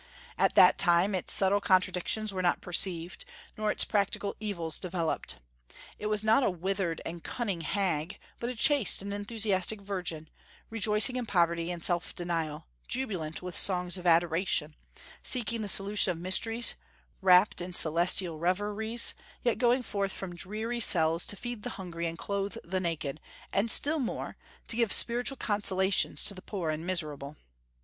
At that time its subtile contradictions were not perceived, nor its practical evils developed. It was not a withered and cunning hag, but a chaste and enthusiastic virgin, rejoicing in poverty and self denial, jubilant with songs of adoration, seeking the solution of mysteries, wrapt in celestial reveries, yet going forth from dreary cells to feed the hungry and clothe the naked, and still more, to give spiritual consolations to the poor and miserable.